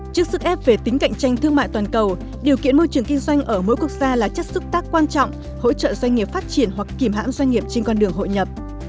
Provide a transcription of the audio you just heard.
trước sức ép về tính cạnh tranh thương mại toàn cầu điều kiện môi trường kinh doanh ở mỗi quốc gia là chất sức tác quan trọng hỗ trợ doanh nghiệp phát triển hoặc kìm hãm doanh nghiệp trên con đường hội nhập